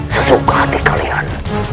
sesuka hati kalian